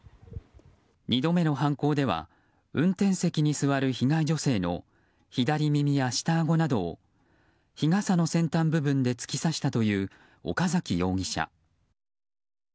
２度目の犯行では運転席に座る被害女性の左耳や下あごなどを日傘の先端部分で突き刺したという岡崎容疑者。